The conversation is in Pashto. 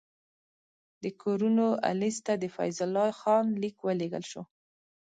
د کورنوالیس ته د فیض الله خان لیک ولېږل شو.